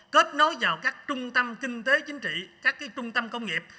kết nối vào các trung tâm kinh tế chính trị các trung tâm công nghiệp